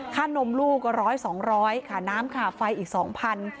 ค่านมลูกก็๑๐๐๒๐๐บาทค่าน้ำค่าไฟอีก๒๐๐๐บาท